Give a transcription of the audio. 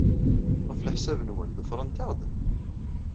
Ɣef leḥsab-nwen, ḍefrent-aɣ-d?